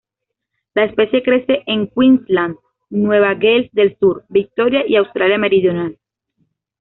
La especie crece en Queensland, Nueva Gales del Sur, Victoria y Australia Meridional.